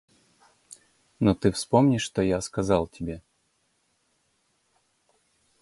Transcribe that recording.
Но ты вспомни, что я сказал тебе.